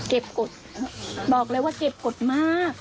กฎบอกเลยว่าเก็บกฎมาก